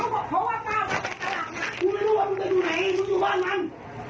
กูไม่รู้ว่ามึงจะอยู่ไหนมึงอยู่บ้านมัน